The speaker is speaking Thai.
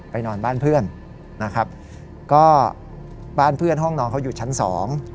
นอนบ้านเพื่อนนะครับก็บ้านเพื่อนห้องนอนเขาอยู่ชั้นสอง